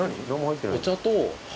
お茶と箱？